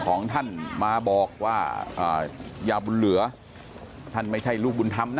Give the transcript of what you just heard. ของท่านมาบอกว่ายาบุญเหลือท่านไม่ใช่ลูกบุญธรรมนะ